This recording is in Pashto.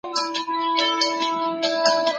څېړنه د فکر د پخوالي نښه ده.